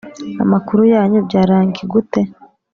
Amakuru yanyu byarangi gute